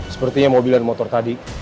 sepertinya mobilnya yang muter tadi